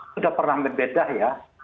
sudah pernah berbeda ya